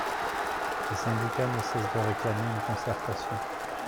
Les syndicats ne cessent de réclamer une concertation.